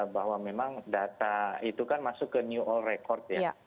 bahwa memang data itu kan masuk ke new all record ya